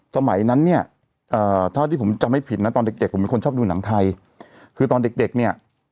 สมัยนั้นเนี่ยเท่าที่ผมจำไม่ผิดนะตอนเด็กเด็กผมเป็นคนชอบดูหนังไทยคือตอนเด็กเด็กเนี่ย